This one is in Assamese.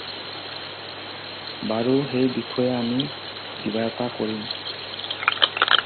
বাৰু সেই বিষয়ে আমি কিবা এটা কৰিম।